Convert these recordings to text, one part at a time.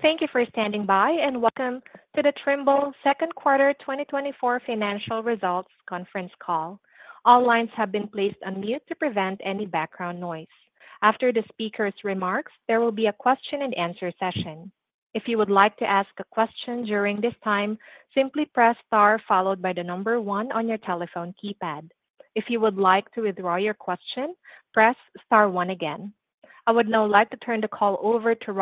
Thank you for standing by, and welcome to the Trimble Second Quarter 2024 Financial Results Conference Call. All lines have been placed on mute to prevent any background noise. After the speaker's remarks, there will be a question-and-answer session. If you would like to ask a question during this time, simply press star followed by the number one on your telephone keypad. If you would like to withdraw your question, press star one again. I would now like to turn the call over to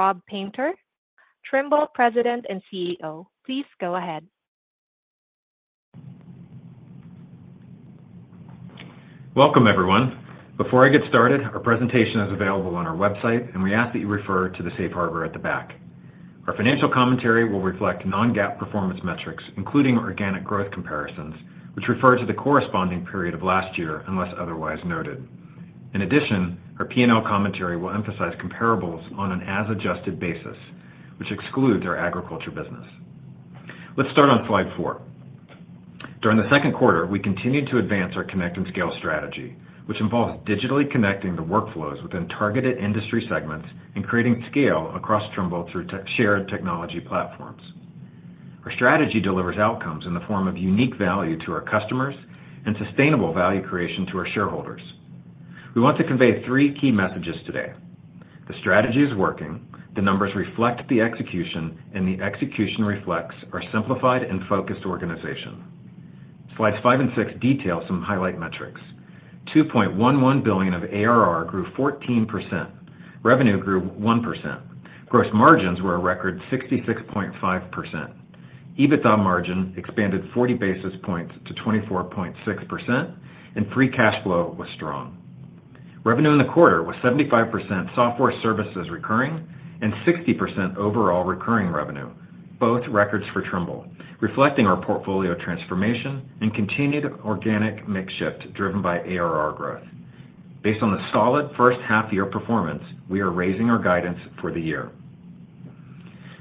Rob Painter, Trimble President and CEO. Please go ahead. Welcome, everyone. Before I get started, our presentation is available on our website, and we ask that you refer to the Safe Harbor at the back. Our financial commentary will reflect non-GAAP performance metrics, including organic growth comparisons, which refer to the corresponding period of last year, unless otherwise noted. In addition, our P&L commentary will emphasize comparables on an as-adjusted basis, which excludes our agriculture business. Let's start on slide four. During the second quarter, we continued to advance our connect and scale strategy, which involves digitally connecting the workflows within targeted industry segments and creating scale across Trimble through tech-shared technology platforms. Our strategy delivers outcomes in the form of unique value to our customers and sustainable value creation to our shareholders. We want to convey three key messages today: the strategy is working, the numbers reflect the execution, and the execution reflects our simplified and focused organization. Slides five and six detail some highlight metrics. $2.11 billion of ARR grew 14%. Revenue grew 1%. Gross margins were a record 66.5%. EBITDA margin expanded 40 basis points to 24.6%, and free cash flow was strong. Revenue in the quarter was 75% software services recurring and 60% overall recurring revenue, both records for Trimble, reflecting our portfolio transformation and continued organic mix shift driven by ARR growth. Based on the solid first half year performance, we are raising our guidance for the year.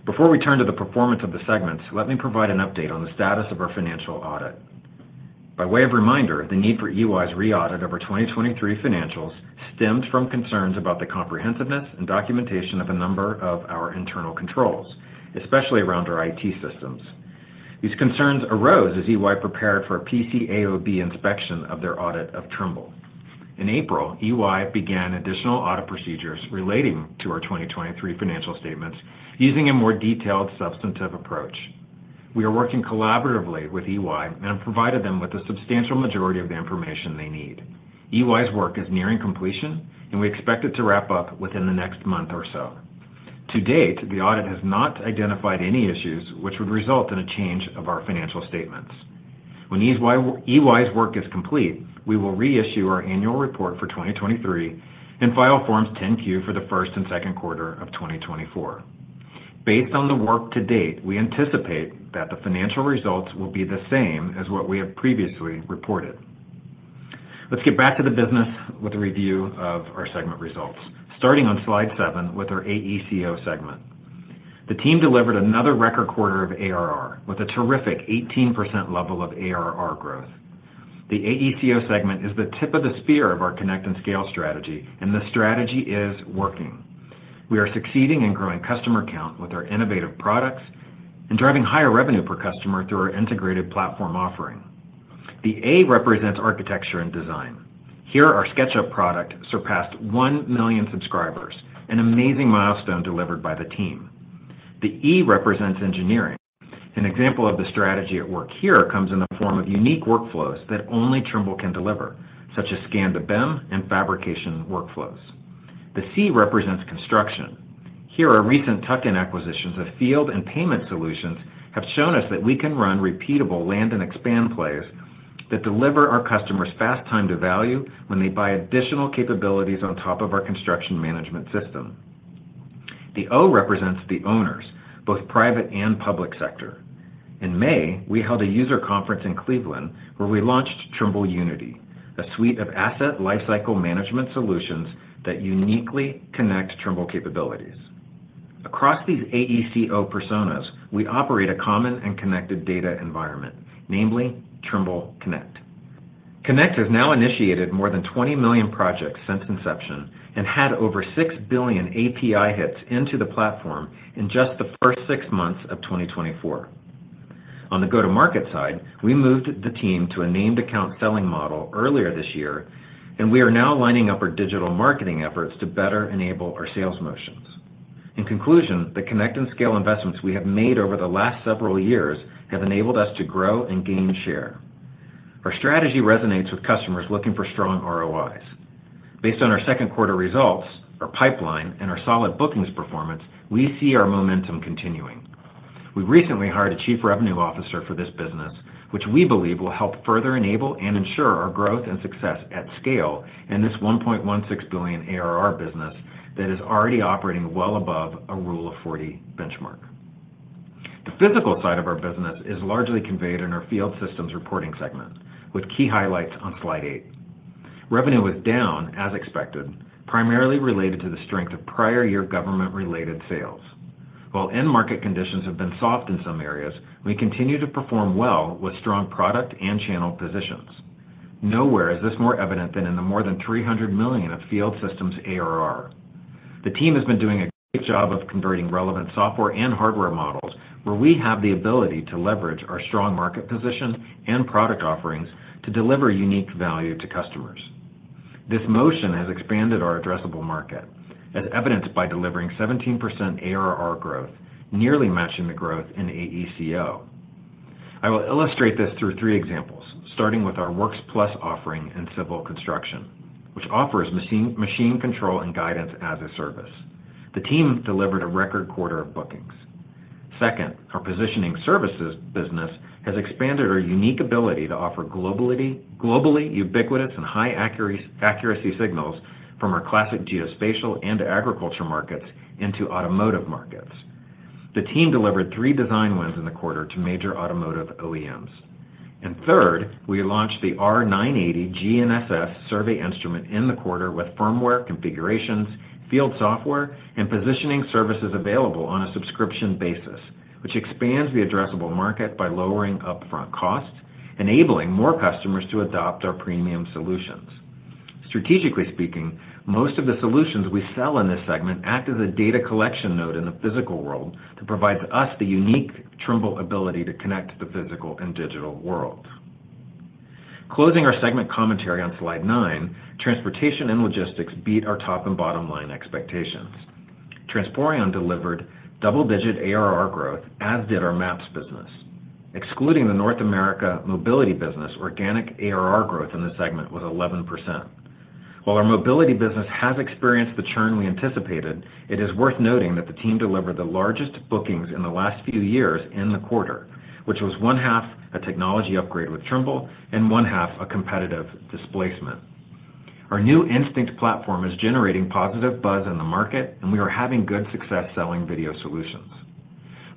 Before we turn to the performance of the segments, let me provide an update on the status of our financial audit. By way of reminder, the need for EY's re-audit of our 2023 financials stemmed from concerns about the comprehensiveness and documentation of a number of our internal controls, especially around our IT systems. These concerns arose as EY prepared for a PCAOB inspection of their audit of Trimble. In April, EY began additional audit procedures relating to our 2023 financial statements, using a more detailed, substantive approach. We are working collaboratively with EY and have provided them with a substantial majority of the information they need. EY's work is nearing completion, and we expect it to wrap up within the next month or so. To date, the audit has not identified any issues which would result in a change of our financial statements. When EY's work is complete, we will reissue our annual report for 2023 and file Forms 10-Q for the first and second quarter of 2024. Based on the work to date, we anticipate that the financial results will be the same as what we have previously reported. Let's get back to the business with a review of our segment results. Starting on Slide 7 with our AECO segment. The team delivered another record quarter of ARR, with a terrific 18% level of ARR growth. The AECO segment is the tip of the spear of our Connect and Scale strategy, and the strategy is working. We are succeeding in growing customer count with our innovative products and driving higher revenue per customer through our integrated platform offering. The A represents architecture and design. Here, our SketchUp product surpassed 1 million subscribers, an amazing milestone delivered by the team. The E represents engineering. An example of the strategy at work here comes in the form of unique workflows that only Trimble can deliver, such as Scan-to-BIM and fabrication workflows. The C represents construction. Here, our recent tuck-in acquisitions of field and payment solutions have shown us that we can run repeatable land and expand plays that deliver our customers fast time to value when they buy additional capabilities on top of our construction management system. The O represents the owners, both private and public sector. In May, we held a user conference in Cleveland, where we launched Trimble Unity, a suite of asset lifecycle management solutions that uniquely connect Trimble capabilities. Across these AECO personas, we operate a common and connected data environment, namely Trimble Connect. Connect has now initiated more than 20 million projects since inception and had over 6 billion API hits into the platform in just the first 6 months of 2024. On the go-to-market side, we moved the team to a named account selling model earlier this year, and we are now lining up our digital marketing efforts to better enable our sales motions. In conclusion, the Connect and Scale investments we have made over the last several years have enabled us to grow and gain share. Our strategy resonates with customers looking for strong ROIs. Based on our second quarter results, our pipeline, and our solid bookings performance, we see our momentum continuing. We recently hired a Chief Revenue Officer for this business, which we believe will help further enable and ensure our growth and success at scale in this $1.6 billion ARR business that is already operating well above a Rule of 40 benchmark. The physical side of our business is largely conveyed in our field systems reporting segment, with key highlights on Slide 8. Revenue was down, as expected, primarily related to the strength of prior-year government-related sales. While end market conditions have been soft in some areas, we continue to perform well with strong product and channel positions.... Nowhere is this more evident than in the more than $300 million of field systems ARR. The team has been doing a great job of converting relevant software and hardware models, where we have the ability to leverage our strong market position and product offerings to deliver unique value to customers. This motion has expanded our addressable market, as evidenced by delivering 17% ARR growth, nearly matching the growth in AECO. I will illustrate this through three examples, starting with our WorksPlus offering in civil construction, which offers machine, machine control and guidance as a service. The team delivered a record quarter of bookings. Second, our positioning services business has expanded our unique ability to offer globally, globally ubiquitous and high accuracy, accuracy signals from our classic geospatial and agriculture markets into automotive markets. The team delivered three design wins in the quarter to major automotive OEMs. Third, we launched the R980 GNSS survey instrument in the quarter with firmware configurations, field software, and positioning services available on a subscription basis, which expands the addressable market by lowering upfront costs, enabling more customers to adopt our premium solutions. Strategically speaking, most of the solutions we sell in this segment act as a data collection node in the physical world to provide us the unique Trimble ability to connect the physical and digital world. Closing our segment commentary on slide 9, transportation and logistics beat our top and bottom line expectations. Transporeon delivered double-digit ARR growth, as did our maps business. Excluding the North America mobility business, organic ARR growth in the segment was 11%. While our mobility business has experienced the churn we anticipated, it is worth noting that the team delivered the largest bookings in the last few years in the quarter, which was one half a technology upgrade with Trimble and one half a competitive displacement. Our new Instinct platform is generating positive buzz in the market, and we are having good success selling video solutions.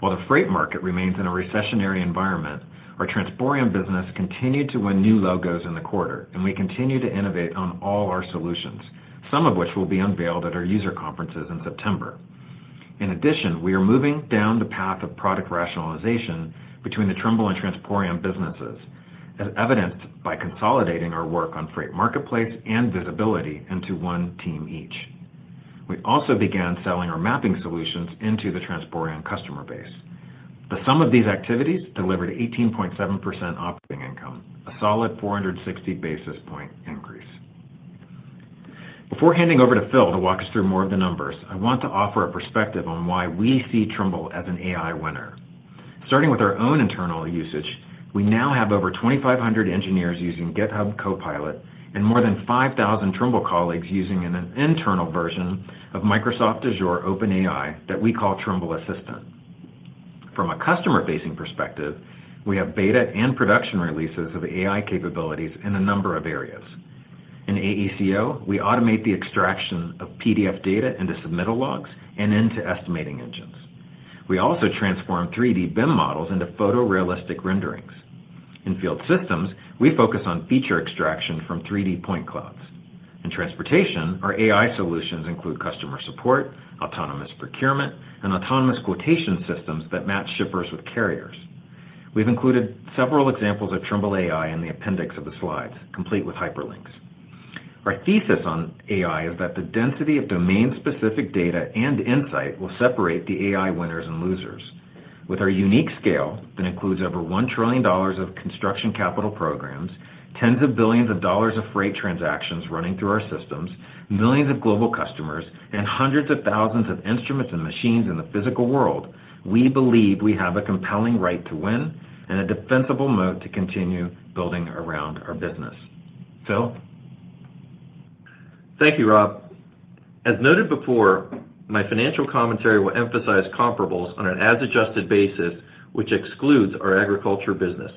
While the freight market remains in a recessionary environment, our Transporeon business continued to win new logos in the quarter, and we continue to innovate on all our solutions, some of which will be unveiled at our user conferences in September. In addition, we are moving down the path of product rationalization between the Trimble and Transporeon businesses, as evidenced by consolidating our work on freight marketplace and visibility into one team each. We also began selling our mapping solutions into the Transporeon customer base. The sum of these activities delivered 18.7% operating income, a solid 460 basis point increase. Before handing over to Phil to walk us through more of the numbers, I want to offer a perspective on why we see Trimble as an AI winner. Starting with our own internal usage, we now have over 2,500 engineers using GitHub Copilot and more than 5,000 Trimble colleagues using an internal version of Microsoft Azure OpenAI that we call Trimble Assistant. From a customer-facing perspective, we have beta and production releases of AI capabilities in a number of areas. In AECO, we automate the extraction of PDF data into submittal logs and into estimating engines. We also transform 3D BIM models into photorealistic renderings. In field systems, we focus on feature extraction from 3D point clouds. In transportation, our AI solutions include customer support, autonomous procurement, and autonomous quotation systems that match shippers with carriers. We've included several examples of Trimble AI in the appendix of the slides, complete with hyperlinks. Our thesis on AI is that the density of domain-specific data and insight will separate the AI winners and losers. With our unique scale, that includes over $1 trillion of construction capital programs, tens of billions of dollars of freight transactions running through our systems, millions of global customers, and hundreds of thousands of instruments and machines in the physical world, we believe we have a compelling right to win and a defensible moat to continue building around our business. Phil? Thank you, Rob. As noted before, my financial commentary will emphasize comparables on an as-adjusted basis, which excludes our agriculture business.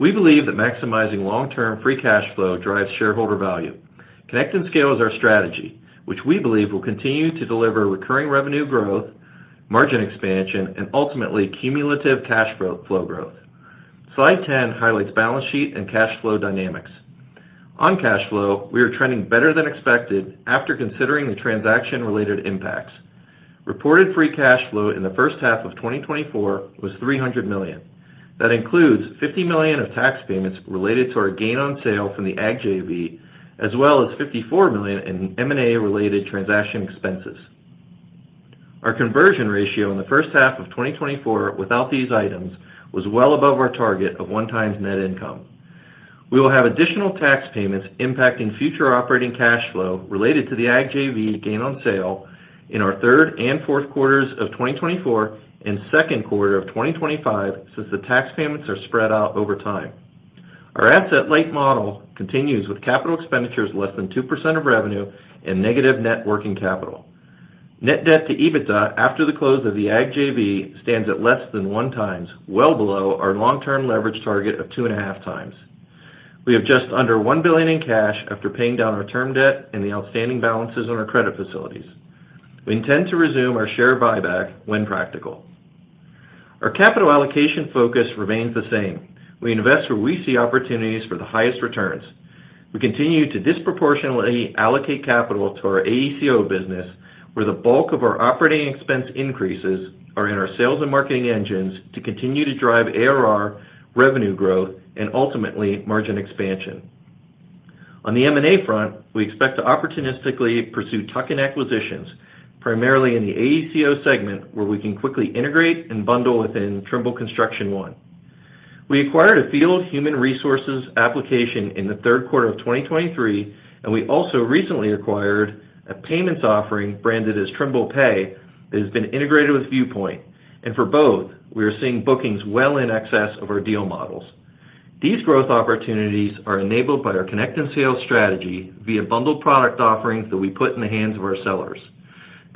We believe that maximizing long-term free cash flow drives shareholder value. Connect and scale is our strategy, which we believe will continue to deliver recurring revenue growth, margin expansion, and ultimately, cumulative cash flow, flow growth. Slide 10 highlights balance sheet and cash flow dynamics. On cash flow, we are trending better than expected after considering the transaction-related impacts. Reported free cash flow in the first half of 2024 was $300 million. That includes $50 million of tax payments related to our gain on sale from the Ag JV, as well as $54 million in M&A-related transaction expenses. Our conversion ratio in the first half of 2024, without these items, was well above our target of 1x net income. We will have additional tax payments impacting future operating cash flow related to the Ag JV gain on sale in our third and fourth quarters of 2024 and second quarter of 2025, since the tax payments are spread out over time. Our asset-light model continues with capital expenditures less than 2% of revenue and negative net working capital. Net debt to EBITDA, after the close of the Ag JV, stands at less than 1x, well below our long-term leverage target of 2.5x. We have just under $1 billion in cash after paying down our term debt and the outstanding balances on our credit facilities. We intend to resume our share buyback when practical. Our capital allocation focus remains the same. We invest where we see opportunities for the highest returns.... We continue to disproportionately allocate capital to our AECO business, where the bulk of our operating expense increases are in our sales and marketing engines to continue to drive ARR, revenue growth, and ultimately, margin expansion. On the M&A front, we expect to opportunistically pursue tuck-in acquisitions, primarily in the AECO segment, where we can quickly integrate and bundle within Trimble Construction One. We acquired a field human resources application in the third quarter of 2023, and we also recently acquired a payments offering branded as Trimble Pay, that has been integrated with Viewpoint. And for both, we are seeing bookings well in excess of our deal models. These growth opportunities are enabled by our connect sales strategy via bundled product offerings that we put in the hands of our sellers.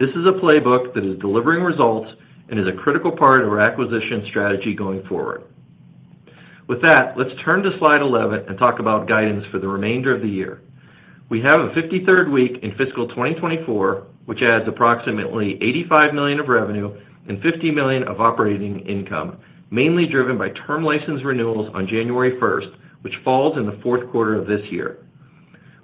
This is a playbook that is delivering results and is a critical part of our acquisition strategy going forward. With that, let's turn to slide 11 and talk about guidance for the remainder of the year. We have a 53rd week in fiscal 2024, which adds approximately $85 million of revenue and $50 million of operating income, mainly driven by term license renewals on January 1st, which falls in the fourth quarter of this year.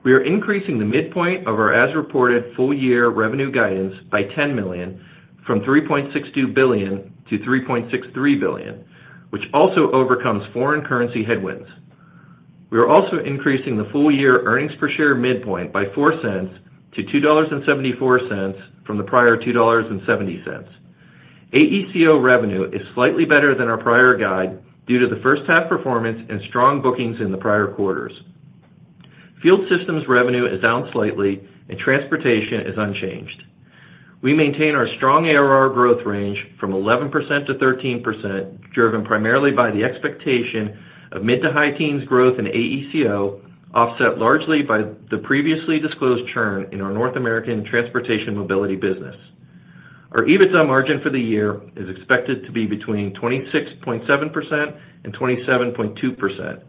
We are increasing the midpoint of our as-reported full-year revenue guidance by $10 million, from $3.62 billion to $3.63 billion, which also overcomes foreign currency headwinds. We are also increasing the full-year earnings per share midpoint by 4 cents to $2.74 from the prior $2.70. AECO revenue is slightly better than our prior guide due to the first half performance and strong bookings in the prior quarters. Field Systems revenue is down slightly, and transportation is unchanged. We maintain our strong ARR growth range from 11% to 13%, driven primarily by the expectation of mid to high teens growth in AECO, offset largely by the previously disclosed churn in our North American Transportation Mobility business. Our EBITDA margin for the year is expected to be between 26.7% and 27.2%.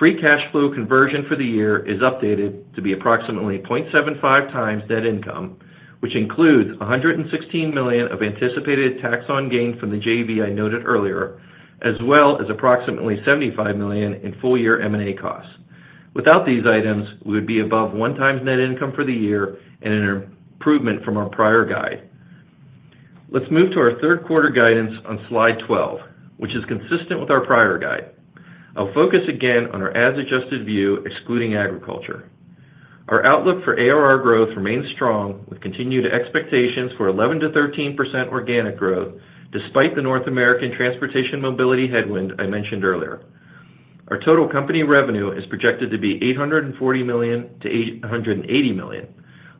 Free cash flow conversion for the year is updated to be approximately 0.75 times net income, which includes $116 million of anticipated tax on gain from the JV I noted earlier, as well as approximately $75 million in full-year M&A costs. Without these items, we would be above 1x net income for the year and an improvement from our prior guide. Let's move to our third quarter guidance on slide 12, which is consistent with our prior guide. I'll focus again on our as-adjusted view, excluding agriculture. Our outlook for ARR growth remains strong, with continued expectations for 11%-13% organic growth, despite the North American transportation mobility headwind I mentioned earlier. Our total company revenue is projected to be $840 million-$880 million.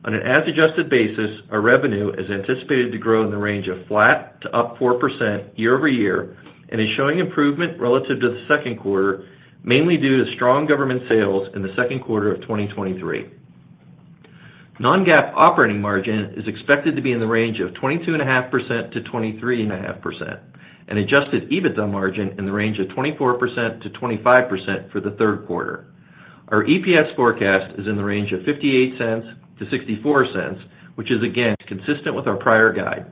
On an as-adjusted basis, our revenue is anticipated to grow in the range of flat to up 4% year-over-year and is showing improvement relative to the second quarter of 2023. Non-GAAP operating margin is expected to be in the range of 22.5%-23.5%, and adjusted EBITDA margin in the range of 24%-25% for the third quarter. Our EPS forecast is in the range of $0.58-$0.64, which is, again, consistent with our prior guide.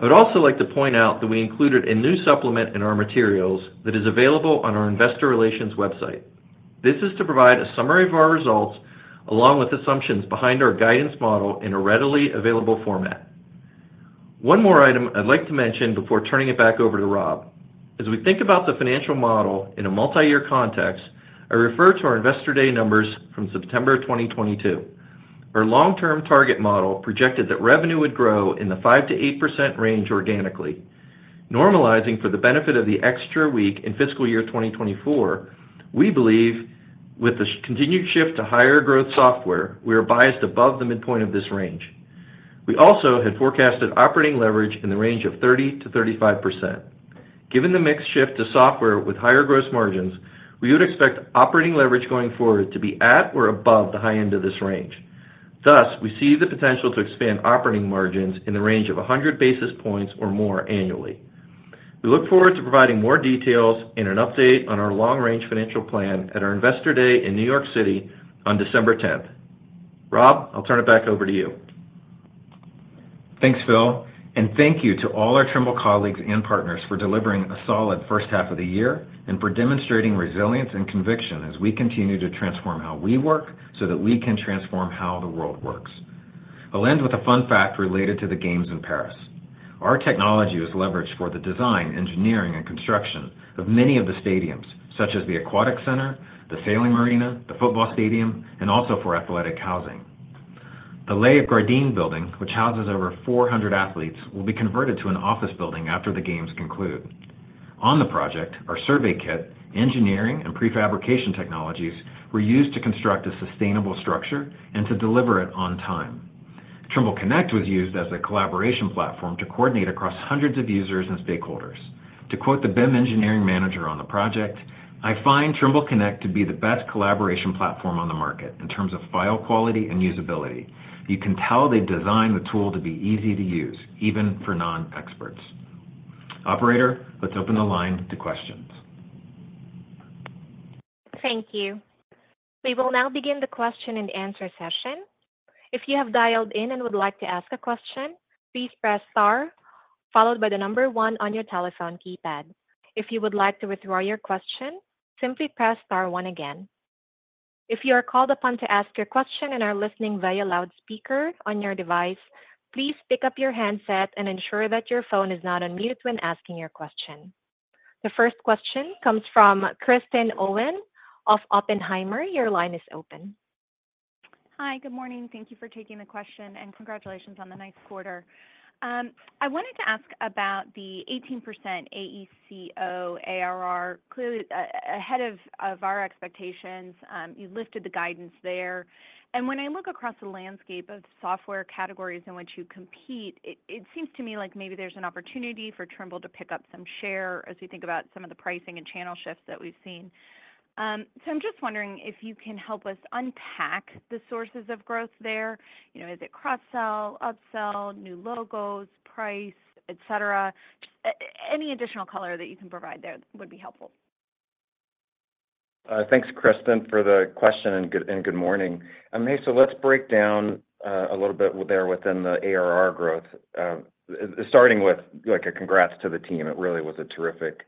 I would also like to point out that we included a new supplement in our materials that is available on our investor relations website. This is to provide a summary of our results, along with assumptions behind our guidance model in a readily available format. One more item I'd like to mention before turning it back over to Rob. As we think about the financial model in a multi-year context, I refer to our Investor Day numbers from September 2022. Our long-term target model projected that revenue would grow in the 5%-8% range organically. Normalizing for the benefit of the extra week in fiscal year 2024, we believe with the continued shift to higher growth software, we are biased above the midpoint of this range. We also had forecasted operating leverage in the range of 30%-35%. Given the mix shift to software with higher gross margins, we would expect operating leverage going forward to be at or above the high end of this range. Thus, we see the potential to expand operating margins in the range of 100 basis points or more annually. We look forward to providing more details and an update on our long-range financial plan at our Investor Day in New York City on December tenth. Rob, I'll turn it back over to you. Thanks, Phil, and thank you to all our Trimble colleagues and partners for delivering a solid first half of the year and for demonstrating resilience and conviction as we continue to transform how we work so that we can transform how the world works. I'll end with a fun fact related to the games in Paris. Our technology was leveraged for the design, engineering, and construction of many of the stadiums, such as the Aquatic Center, the Sailing Marina, the football stadium, and also for athletic housing. The Legendre building, which houses over 400 athletes, will be converted to an office building after the games conclude. On the project, our survey, Tekla, engineering, and prefabrication technologies were used to construct a sustainable structure and to deliver it on time. Trimble Connect was used as a collaboration platform to coordinate across hundreds of users and stakeholders. To quote the BIM engineering manager on the project, "I find Trimble Connect to be the best collaboration platform on the market in terms of file quality and usability. You can tell they've designed the tool to be easy to use, even for non-experts. Operator, let's open the line to questions. Thank you. We will now begin the question and answer session. If you have dialed in and would like to ask a question, please press star, followed by the number one on your telephone keypad. If you would like to withdraw your question, simply press star one again. If you are called upon to ask your question and are listening via loudspeaker on your device, please pick up your handset and ensure that your phone is not on mute when asking your question. The first question comes from Kristen Owen of Oppenheimer. Your line is open. Hi. Good morning. Thank you for taking the question, and congratulations on the nice quarter. I wanted to ask about the 18% AECO ARR. Clearly, ahead of our expectations, you've lifted the guidance there. And when I look across the landscape of software categories in which you compete, it seems to me like maybe there's an opportunity for Trimble to pick up some share as we think about some of the pricing and channel shifts that we've seen. So I'm just wondering if you can help us unpack the sources of growth there. You know, is it cross-sell, upsell, new logos, price, et cetera? Any additional color that you can provide there would be helpful. Thanks, Kristen, for the question, and good morning. So let's break down a little bit there within the ARR growth. Starting with, like, a congrats to the team. It really was a terrific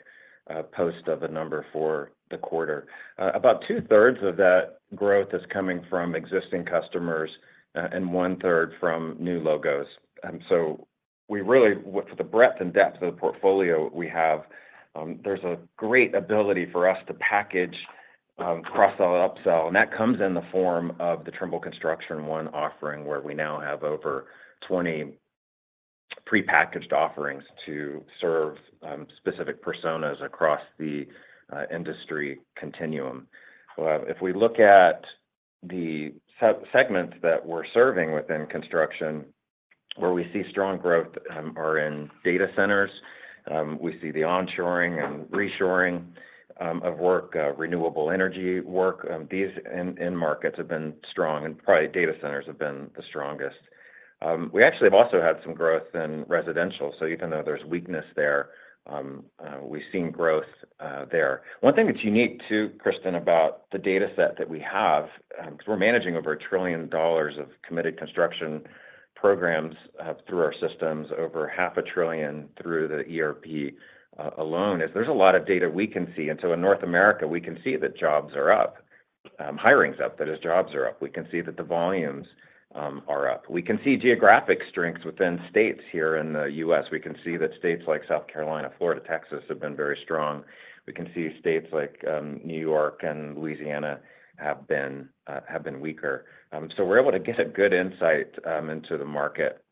post of a number for the quarter. About two-thirds of that growth is coming from existing customers, and one-third from new logos. So, with the breadth and depth of the portfolio we have, there's a great ability for us to package cross-sell, upsell, and that comes in the form of the Trimble Construction One offering, where we now have over 20 prepackaged offerings to serve specific personas across the industry continuum. If we look at the segments that we're serving within construction, where we see strong growth, are in data centers. We see the onshoring and reshoring of work, renewable energy work. These end markets have been strong, and probably data centers have been the strongest. We actually have also had some growth in residential, so even though there's weakness there, we've seen growth there. One thing that's unique, too, Kristen, about the data set that we have, because we're managing over $1 trillion of committed construction programs through our systems, over $500 billion through the ERP alone, is there's a lot of data we can see. So in North America, we can see that jobs are up, hiring's up, that is, jobs are up. We can see that the volumes are up. We can see geographic strengths within states here in the U.S. We can see that states like South Carolina, Florida, Texas, have been very strong. We can see states like New York and Louisiana have been weaker. So we're able to get a good insight into the market.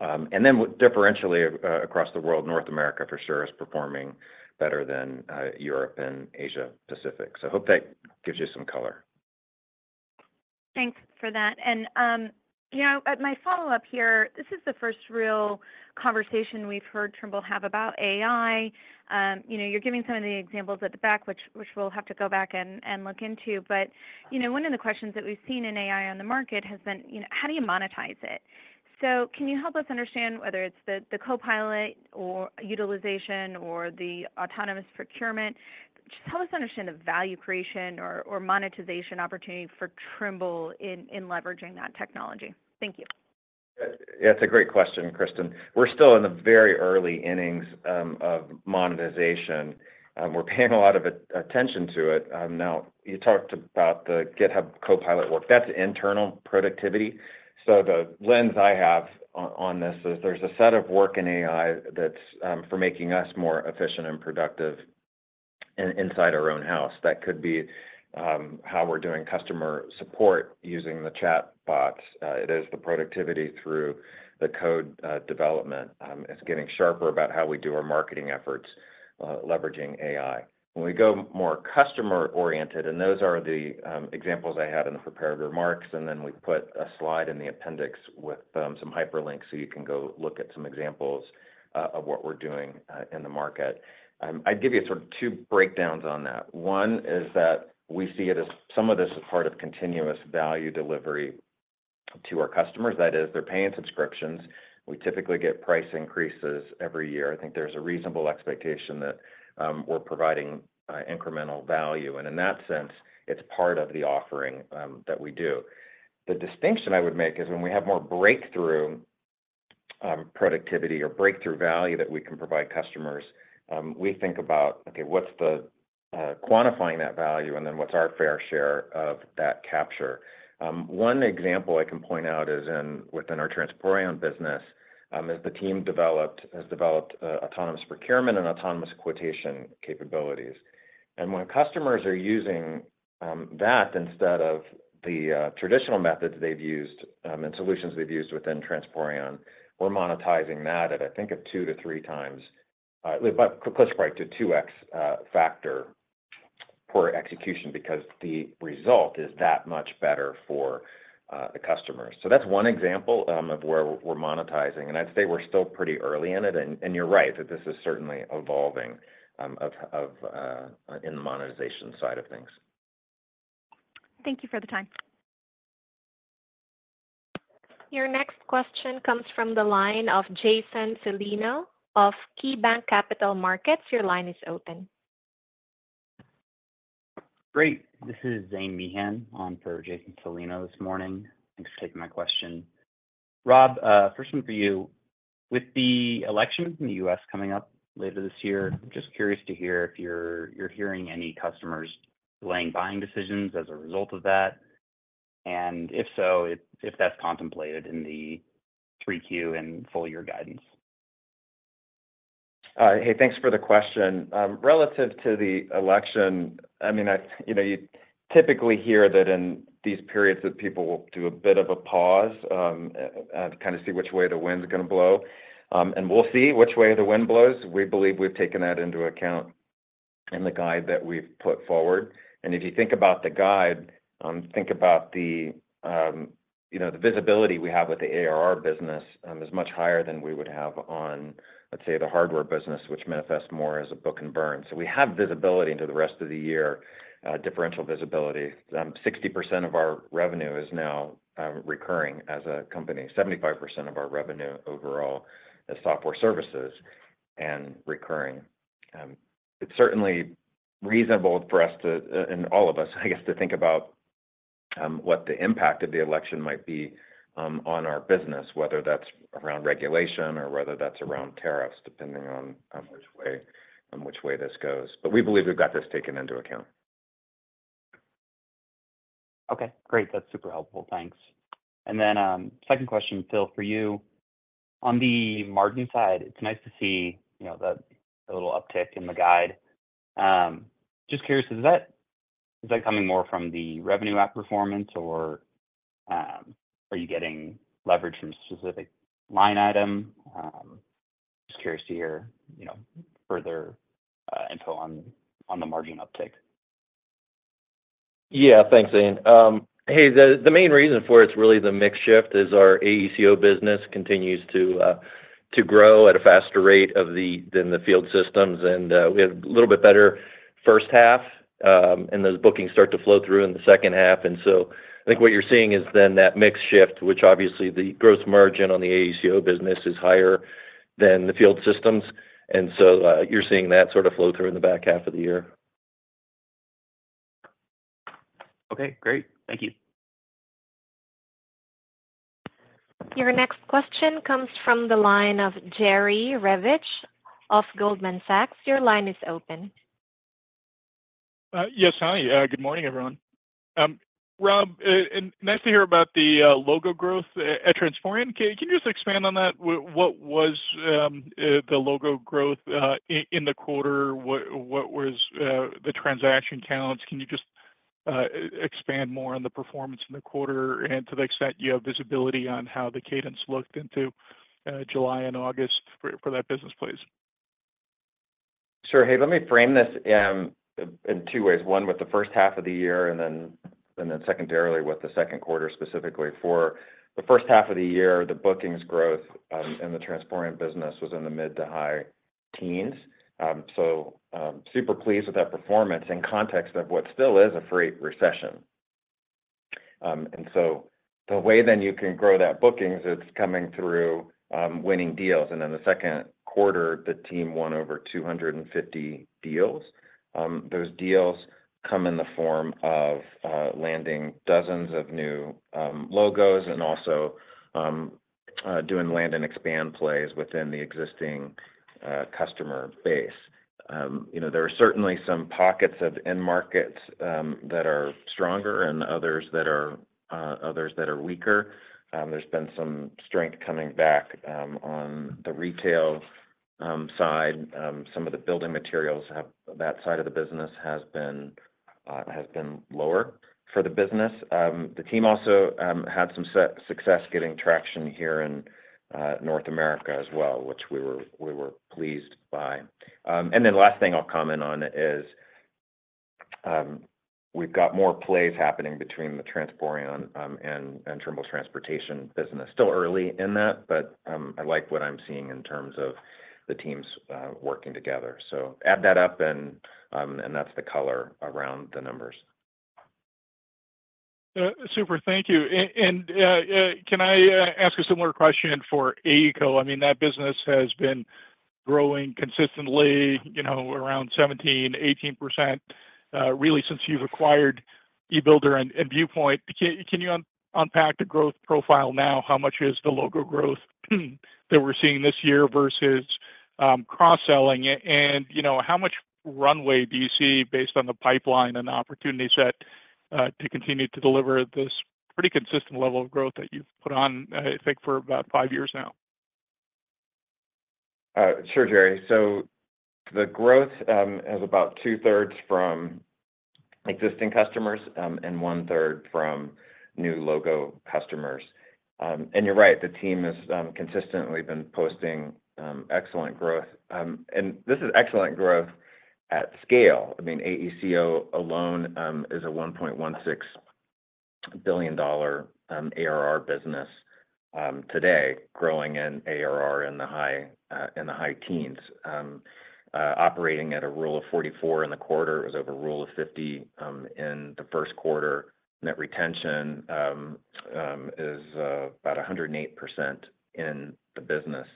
And then differentially, across the world, North America, for sure, is performing better than Europe and Asia Pacific. So I hope that gives you some color. Thanks for that. And, you know, my follow-up here, this is the first real conversation we've heard Trimble have about AI. You know, you're giving some of the examples at the back, which we'll have to go back and look into. But, you know, one of the questions that we've seen in AI on the market has been, you know, how do you monetize it? So can you help us understand whether it's the co-pilot or utilization or the autonomous procurement? Just help us understand the value creation or monetization opportunity for Trimble in leveraging that technology. Thank you. Yeah, it's a great question, Kristen. We're still in the very early innings of monetization. We're paying a lot of attention to it. Now, you talked about the GitHub Copilot work. That's internal productivity. So the lens I have on this is there's a set of work in AI that's for making us more efficient and productive inside our own house. That could be how we're doing customer support using the chatbots. It is the productivity through the code development. It's getting sharper about how we do our marketing efforts, leveraging AI. When we go more customer oriented, and those are the examples I had in the prepared remarks, and then we put a slide in the appendix with some hyperlinks, so you can go look at some examples of what we're doing in the market. I'd give you sort of two breakdowns on that. One is that we see it as some of this as part of continuous value delivery to our customers. That is, they're paying subscriptions. We typically get price increases every year. I think there's a reasonable expectation that we're providing incremental value, and in that sense, it's part of the offering that we do. The distinction I would make is when we have more breakthrough, productivity or breakthrough value that we can provide customers, we think about, okay, what's the quantifying that value, and then what's our fair share of that capture? One example I can point out is within our Transportation business, the team has developed autonomous procurement and autonomous quotation capabilities. And when customers are using that instead of the traditional methods they've used, and solutions they've used within Transportation, we're monetizing that at, I think, at 2-3 times, but close, right to 2x factor for execution, because the result is that much better for the customers. So that's one example of where we're monetizing, and I'd say we're still pretty early in it. And you're right, that this is certainly evolving in the monetization side of things. Thank you for the time. Your next question comes from the line of Jason Celino of KeyBanc Capital Markets. Your line is open. Great. This is Zane Meehan on for Jason Celino this morning. Thanks for taking my question. Rob, first one for you. With the election in the U.S. coming up later this year, I'm just curious to hear if you're hearing any customers delaying buying decisions as a result of that, and if so, if that's contemplated in the 3Q and full year guidance. Hey, thanks for the question. Relative to the election, I mean, you know, you typically hear that in these periods that people will do a bit of a pause to kind of see which way the wind's gonna blow. And we'll see which way the wind blows. We believe we've taken that into account in the guide that we've put forward. If you think about the guide, you know, the visibility we have with the ARR business is much higher than we would have on, let's say, the hardware business, which manifests more as a book and burn. So we have visibility into the rest of the year, differential visibility. 60% of our revenue is now recurring as a company. 75% of our revenue overall is software services and recurring. It's certainly reasonable for us to, and all of us, I guess, to think about what the impact of the election might be on our business, whether that's around regulation or whether that's around tariffs, depending on which way this goes. But we believe we've got this taken into account. Okay, great. That's super helpful. Thanks. And then, second question, Phil, for you. On the margin side, it's nice to see, you know, the little uptick in the guide. Just curious, is that coming more from the revenue app performance, or, are you getting leverage from a specific line item? Just curious to hear, you know, further info on the margin uptick. Yeah, thanks, Zane. Hey, the main reason for it is really the mix shift, as our AECO business continues to grow at a faster rate than the field systems. And we had a little bit better first half, and those bookings start to flow through in the second half. And so I think what you're seeing is then that mix shift, which obviously the gross margin on the AECO business is higher than the field systems. And so, you're seeing that sort of flow through in the back half of the year. Okay, great. Thank you. Your next question comes from the line of Jerry Revich of Goldman Sachs. Your line is open. Yes, hi. Good morning, everyone. Rob, and nice to hear about the logo growth at Transporeon. Can you just expand on that? What was the logo growth in the quarter? What was the transaction counts? Can you just expand more on the performance in the quarter and to the extent you have visibility on how the cadence looked into July and August for that business, please? Sure. Hey, let me frame this in two ways, one, with the first half of the year, and then secondarily, with the second quarter, specifically. For the first half of the year, the bookings growth in the Transporeon business was in the mid to high teens. So, super pleased with that performance in context of what still is a freight recession. And so the way then you can grow that bookings, it's coming through winning deals. And in the second quarter, the team won over 250 deals. Those deals come in the form of landing dozens of new logos and also doing land and expand plays within the existing customer base. You know, there are certainly some pockets of end markets that are stronger and others that are weaker. There's been some strength coming back on the retail side. Some of the building materials, that side of the business has been lower for the business. The team also had some success getting traction here in North America as well, which we were pleased by. And then last thing I'll comment on is, we've got more plays happening between the Transporeon and Trimble Transportation business. Still early in that, but I like what I'm seeing in terms of the teams working together. So add that up, and that's the color around the numbers. Super. Thank you. Can I ask a similar question for AECO? I mean, that business has been growing consistently, you know, around 17%-18%, really since you've acquired e-Builder and Viewpoint. Can you unpack the growth profile now, how much is the logo growth that we're seeing this year versus cross-selling? And, you know, how much runway do you see based on the pipeline and the opportunity set to continue to deliver this pretty consistent level of growth that you've put on, I think, for about 5 years now? Sure, Jerry. So the growth is about two-thirds from existing customers and one-third from new logo customers. You're right, the team has consistently been posting excellent growth. This is excellent growth at scale. I mean, AECO alone is a $1.16 billion ARR business today, growing in ARR in the high teens. Operating at a Rule of 44 in the quarter, it was over a Rule of 50 in the first quarter. Net retention is about 108% in the business.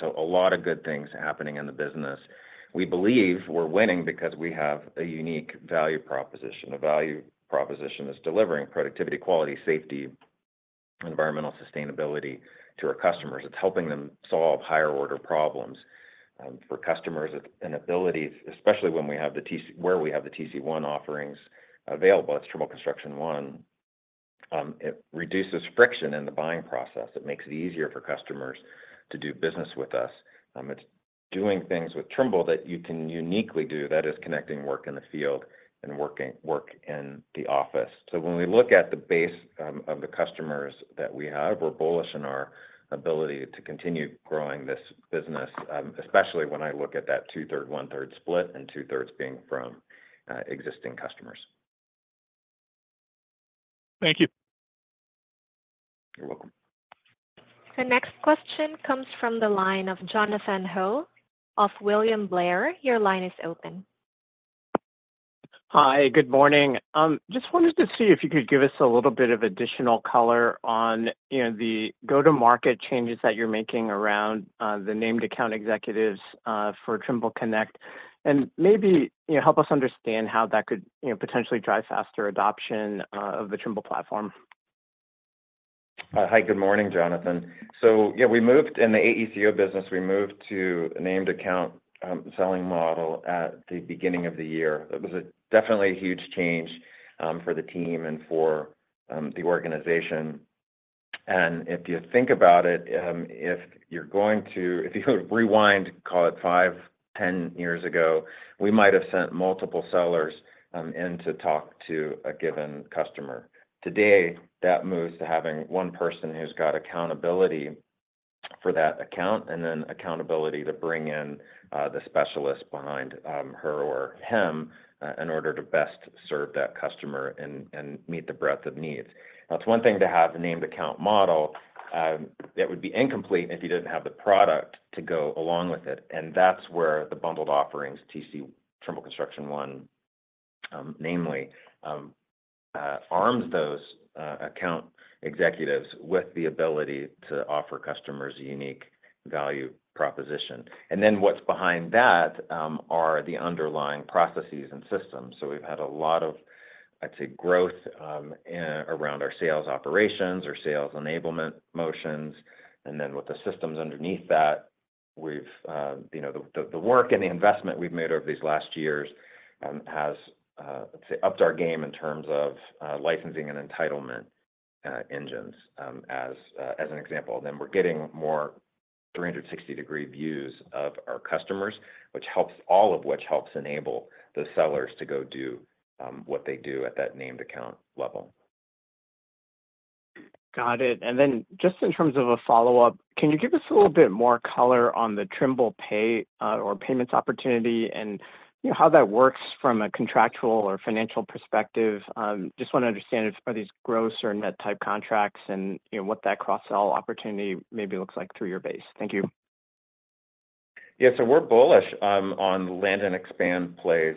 So a lot of good things happening in the business. We believe we're winning because we have a unique value proposition. A value proposition is delivering productivity, quality, safety, environmental sustainability to our customers. It's helping them solve higher order problems for customers. It's an ability, especially when we have the TC1 offerings available, it's Trimble Construction One. It reduces friction in the buying process. It makes it easier for customers to do business with us. It's doing things with Trimble that you can uniquely do, that is connecting work in the field and work in the office. So when we look at the base of the customers that we have, we're bullish in our ability to continue growing this business, especially when I look at that two-thirds, one-third split, and two-thirds being from existing customers. Thank you. You're welcome. The next question comes from the line of Jonathan Hull of William Blair. Your line is open. Hi, good morning. Just wanted to see if you could give us a little bit of additional color on, you know, the go-to-market changes that you're making around the named account executives for Trimble Connect. Maybe, you know, help us understand how that could, you know, potentially drive faster adoption of the Trimble platform. Hi. Good morning, Jonathan. So, yeah, we moved. In the AECO business, we moved to a named account selling model at the beginning of the year. It was definitely a huge change for the team and for the organization. And if you think about it, if you could rewind, call it 5, 10 years ago, we might have sent multiple sellers in to talk to a given customer. Today, that moves to having one person who's got accountability for that account, and then accountability to bring in the specialist behind her or him in order to best serve that customer and meet the breadth of needs. Now, it's one thing to have the named account model. It would be incomplete if you didn't have the product to go along with it, and that's where the bundled offerings, TC, Trimble Construction One, namely, arms those account executives with the ability to offer customers a unique value proposition. And then what's behind that are the underlying processes and systems. So we've had a lot of, I'd say, growth around our sales operations, our sales enablement motions, and then with the systems underneath that, we've, you know, the work and the investment we've made over these last years has, let's say, upped our game in terms of licensing and entitlement engines, as an example. Then we're getting more 360-degree views of our customers, which helps, all of which helps enable the sellers to go do what they do at that named account level. Got it. And then just in terms of a follow-up, can you give us a little bit more color on the Trimble Pay or Payments opportunity, and, you know, how that works from a contractual or financial perspective? Just want to understand, are these gross or net type contracts? And, you know, what that cross-sell opportunity maybe looks like through your base. Thank you. Yeah, so we're bullish on land and expand plays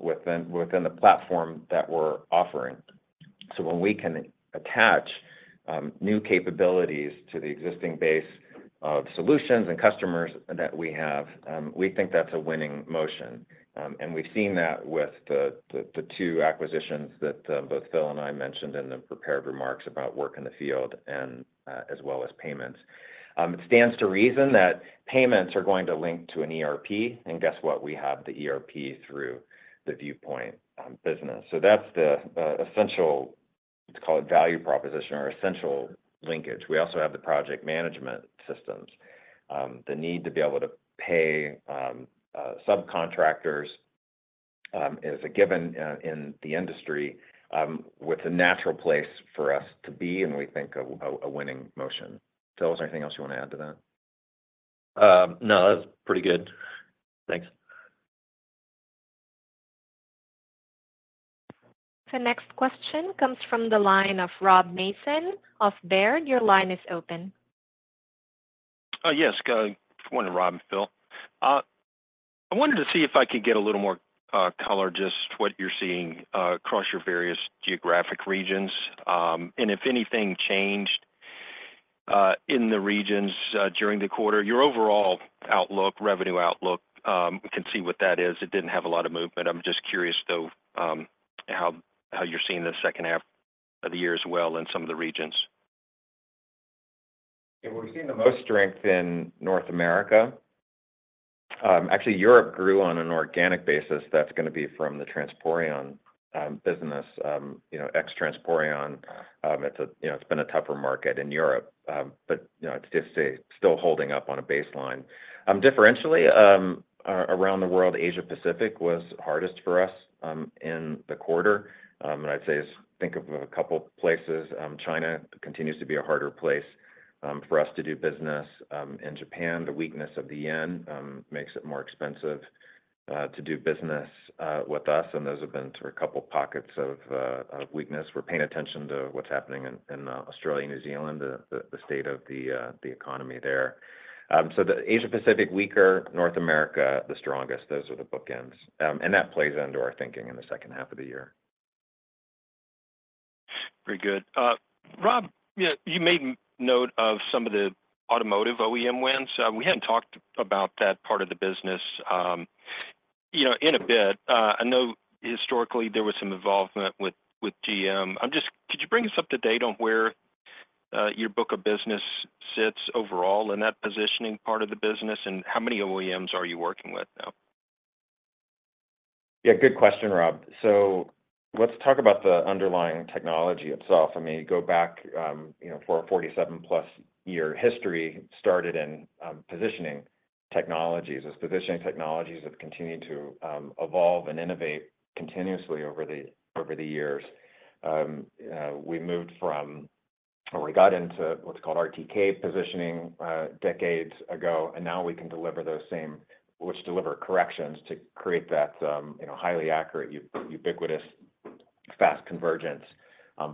within the platform that we're offering. So when we can attach new capabilities to the existing base of solutions and customers that we have, we think that's a winning motion. And we've seen that with the two acquisitions that both Phil and I mentioned in the prepared remarks about work in the field as well as payments. It stands to reason that payments are going to link to an ERP, and guess what? We have the ERP through the Viewpoint business. So that's the essential, let's call it, value proposition or essential linkage. We also have the project management systems. The need to be able to pay subcontractors is a given in the industry, with a natural place for us to be, and we think a winning motion. Phil, is there anything else you want to add to that? No, that's pretty good. Thanks. The next question comes from the line of Rob Mason of Baird. Your line is open. Yes, good morning, Rob and Phil. I wanted to see if I could get a little more color, just what you're seeing across your various geographic regions, and if anything changed in the regions during the quarter. Your overall outlook, revenue outlook, can see what that is. It didn't have a lot of movement. I'm just curious, though, how you're seeing the second half of the year as well in some of the regions. Yeah, we've seen the most strength in North America. Actually, Europe grew on an organic basis that's gonna be from the Transporeon business. You know, ex Transporeon, you know, it's been a tougher market in Europe, but, you know, it's just still holding up on a baseline. Differentially, around the world, Asia Pacific was hardest for us in the quarter. And I'd say, think of a couple places. China continues to be a harder place for us to do business. In Japan, the weakness of the yen makes it more expensive to do business with us, and those have been sort of a couple of pockets of of weakness. We're paying attention to what's happening in Australia and New Zealand, the state of the economy there. So the Asia Pacific, weaker, North America, the strongest. Those are the bookends. And that plays into our thinking in the second half of the year. Very good. Rob, you made note of some of the automotive OEM wins. We hadn't talked about that part of the business. You know, in a bit, I know historically there was some involvement with GM. Could you bring us up to date on where your book of business sits overall in that positioning part of the business, and how many OEMs are you working with now? Yeah, good question, Rob. So let's talk about the underlying technology itself. I mean, go back, you know, for a 47+ year history, started in, positioning technologies. As positioning technologies have continued to evolve and innovate continuously over the years, we moved from, or we got into what's called RTK positioning, decades ago, and now we can deliver those same, which deliver corrections to create that, you know, highly accurate, ubiquitous, fast convergence,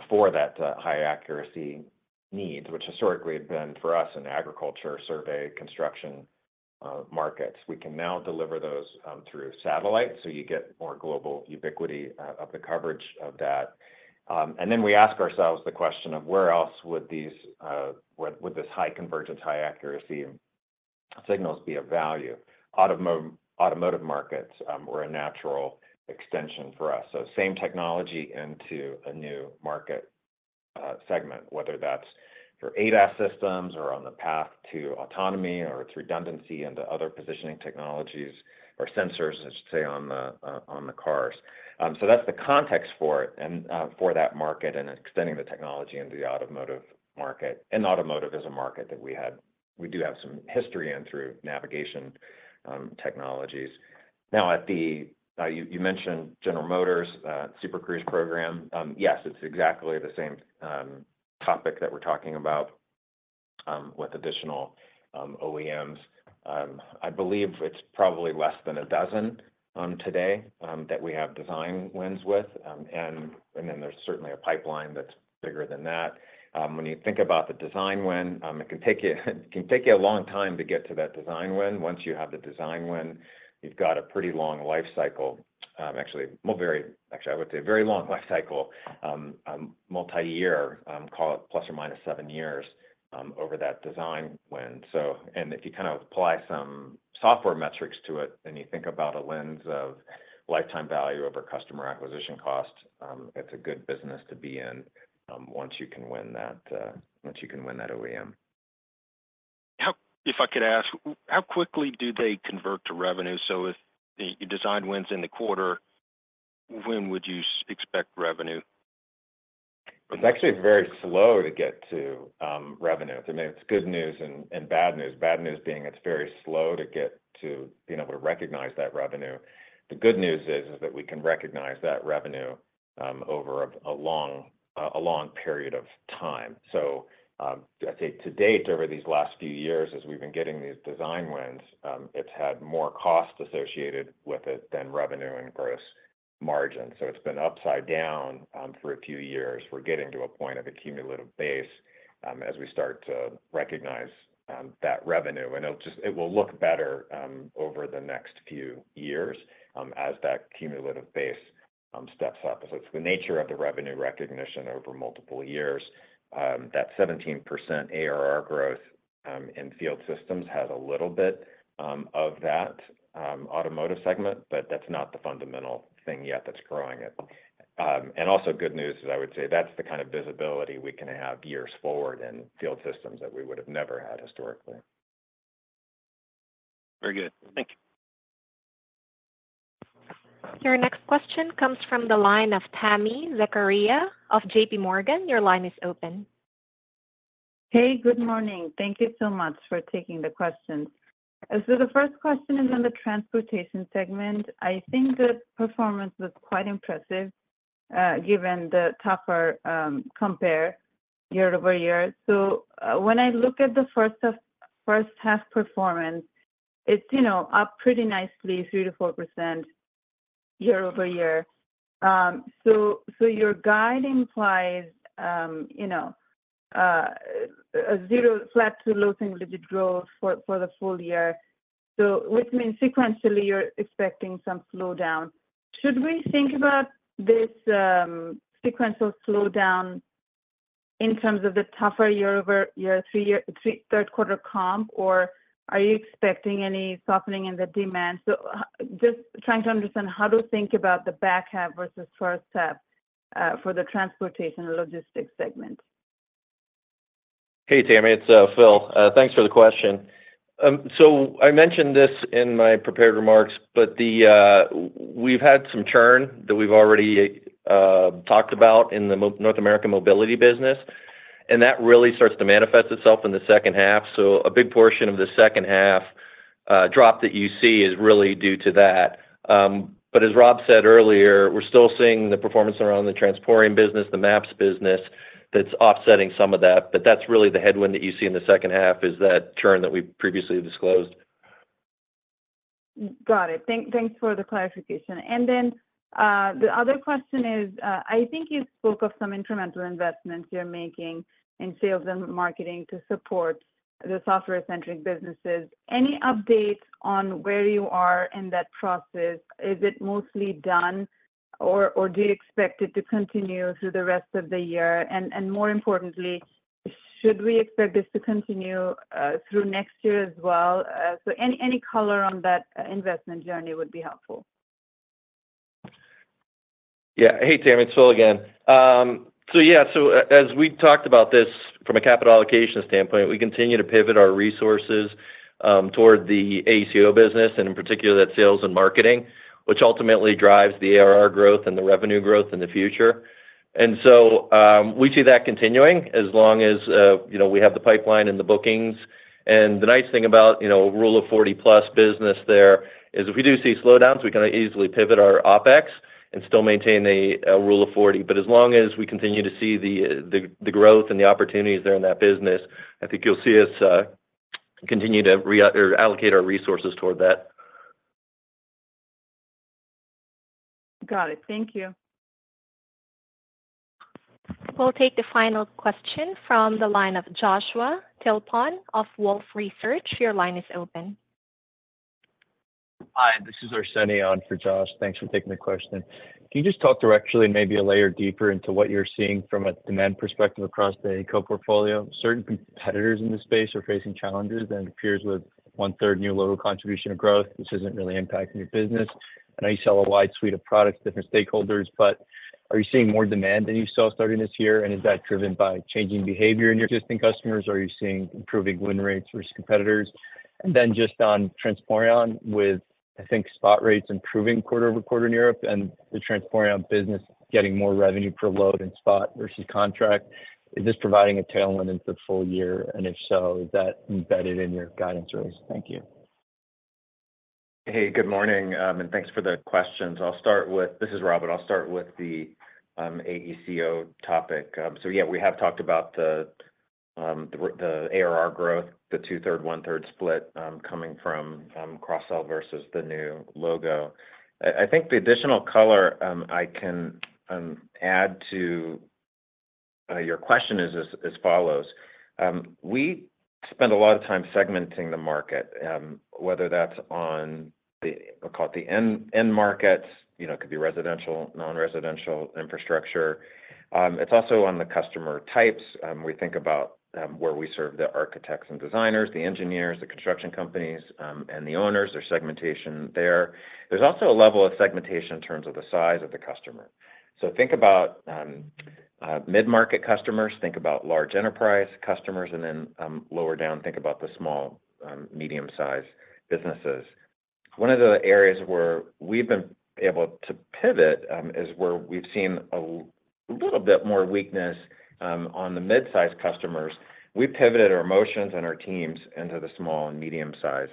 for that, high accuracy needs, which historically had been for us in agriculture, survey, construction, markets. We can now deliver those, through satellite, so you get more global ubiquity, of the coverage of that. And then we ask ourselves the question of: Where else would these, this high convergence, high accuracy signals be of value? Automotive, automotive markets, were a natural extension for us. So same technology into a new market, segment, whether that's for ADAS systems or on the path to autonomy, or it's redundancy into other positioning technologies or sensors, I should say, on the cars. So that's the context for it and, for that market and extending the technology into the automotive market. And automotive is a market that we had, we do have some history in through navigation, technologies. Now, at the... You mentioned General Motors, Super Cruise program. Yes, it's exactly the same, topic that we're talking about, with additional, OEMs. I believe it's probably less than a dozen, today, that we have design wins with. And then there's certainly a pipeline that's bigger than that. When you think about the design win, it can take you, it can take you a long time to get to that design win. Once you have the design win, you've got a pretty long life cycle. Actually, well, very actually, I would say a very long life cycle, multiyear, call it ±7 years, over that design win. So, and if you kind of apply some software metrics to it, and you think about a lens of lifetime value over customer acquisition cost, it's a good business to be in, once you can win that, once you can win that OEM. If I could ask, how quickly do they convert to revenue? So if you design wins in the quarter, when would you expect revenue? It's actually very slow to get to revenue. I mean, it's good news and bad news. Bad news being it's very slow to get to, you know, to recognize that revenue. The good news is that we can recognize that revenue over a long period of time. So I'd say to date, over these last few years, as we've been getting these design wins, it's had more cost associated with it than revenue and Gross Margin. So it's been upside down for a few years. We're getting to a point of a cumulative base as we start to recognize that revenue. And it'll just. It will look better over the next few years as that cumulative base steps up. So it's the nature of the revenue recognition over multiple years. That 17% ARR growth in field systems has a little bit of that automotive segment, but that's not the fundamental thing yet that's growing it. And also good news is, I would say, that's the kind of visibility we can have years forward in field systems that we would have never had historically. Very good. Thank you. Your next question comes from the line of Tami Zakaria of J.P. Morgan. Your line is open. Hey, good morning. Thank you so much for taking the questions. So the first question is on the transportation segment. I think the performance was quite impressive, given the tougher compare year-over-year. So, when I look at the first half, first half performance, it's, you know, up pretty nicely, 3%-4% year-over-year. So, so your guide implies, you know, a zero to flat to low single-digit growth for the full year. So which means sequentially, you're expecting some slowdown. Should we think about this sequential slowdown in terms of the tougher year-over-year third quarter comp, or are you expecting any softening in the demand? So, just trying to understand how to think about the back half versus first half for the transportation and logistics segment. Hey, Tami, it's Phil. Thanks for the question. So I mentioned this in my prepared remarks, but we've had some churn that we've already talked about in the North American mobility business, and that really starts to manifest itself in the second half. So a big portion of the second half drop that you see is really due to that. But as Rob said earlier, we're still seeing the performance around the transport business, the maps business, that's offsetting some of that. But that's really the headwind that you see in the second half, is that churn that we previously disclosed. Got it. Thanks for the clarification. And then, the other question is, I think you spoke of some incremental investments you're making in sales and marketing to support the software-centric businesses. Any updates on where you are in that process? Is it mostly done? Or do you expect it to continue through the rest of the year? And more importantly, should we expect this to continue through next year as well? So any color on that investment journey would be helpful. Yeah. Hey, Tami, it's Phil again. So yeah, so as we talked about this from a capital allocation standpoint, we continue to pivot our resources toward the AECO business, and in particular, that's sales and marketing, which ultimately drives the ARR growth and the revenue growth in the future. And so, we see that continuing as long as, you know, we have the pipeline and the bookings. And the nice thing about, you know, Rule of 40 plus business there is, if we do see slowdowns, we can easily pivot our OpEx and still maintain a Rule of 40. But as long as we continue to see the growth and the opportunities there in that business, I think you'll see us continue to reallocate our resources toward that. Got it. Thank you. We'll take the final question from the line of Joshua Tilton of Wolfe Research. Your line is open. Hi, this is Arseny on for Josh. Thanks for taking the question. Can you just talk directly and maybe a layer deeper into what you're seeing from a demand perspective across the AECO portfolio? Certain competitors in this space are facing challenges, and it appears with one-third new logo contribution of growth, this isn't really impacting your business. I know you sell a wide suite of products to different stakeholders, but are you seeing more demand than you saw starting this year? And is that driven by changing behavior in your existing customers, or are you seeing improving win rates versus competitors? And then just on Transporeon with, I think, spot rates improving quarter over quarter in Europe, and the Transporeon business getting more revenue per load and spot versus contract, is this providing a tailwind into the full year? And if so, is that embedded in your guidance raise? Thank you. Hey, good morning, and thanks for the questions. I'll start with... This is Robert. I'll start with the AECO topic. So yeah, we have talked about the ARR growth, the 2/3, 1/3 split, coming from cross-sell versus the new logo. I think the additional color I can add to your question is as follows: We spend a lot of time segmenting the market, whether that's on the, we call it the end markets, you know, it could be residential, non-residential, infrastructure. It's also on the customer types. We think about where we serve the architects and designers, the engineers, the construction companies, and the owners, there's segmentation there. There's also a level of segmentation in terms of the size of the customer. So think about mid-market customers, think about large enterprise customers, and then lower down, think about the small medium-sized businesses. One of the areas where we've been able to pivot is where we've seen a little bit more weakness on the mid-sized customers. We've pivoted our motions and our teams into the small and medium-sized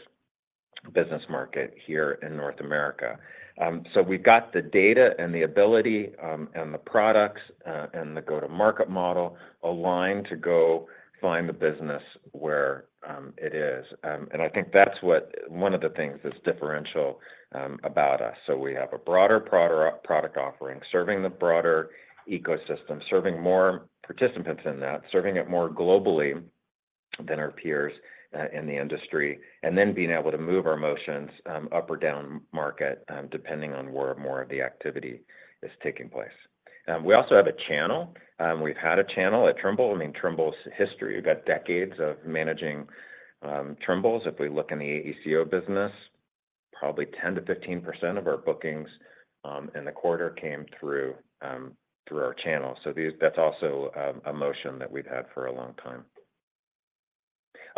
business market here in North America. So we've got the data and the ability and the products and the go-to-market model aligned to go find the business where it is. And I think that's what one of the things that's differential about us. So we have a broader product offering, serving the broader ecosystem, serving more participants in that, serving it more globally than our peers in the industry, and then being able to move our motions up or down market, depending on where more of the activity is taking place. We also have a channel. We've had a channel at Trimble. I mean, Trimble's history. We've got decades of managing Trimble's. If we look in the AECO business, probably 10%-15% of our bookings in the quarter came through our channel. So that's also a motion that we've had for a long time.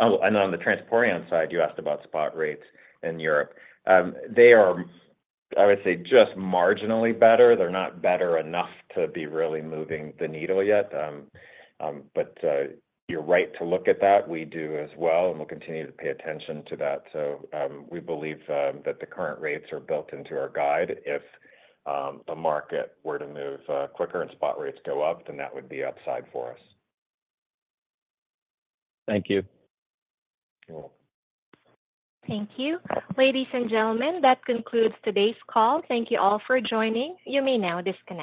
Oh, and on the Transporeon side, you asked about spot rates in Europe. They are, I would say, just marginally better. They're not better enough to be really moving the needle yet. But, you're right to look at that. We do as well, and we'll continue to pay attention to that. So, we believe that the current rates are built into our guide. If the market were to move quicker and spot rates go up, then that would be upside for us. Thank you. Cool. Thank you. Ladies and gentlemen, that concludes today's call. Thank you all for joining. You may now disconnect.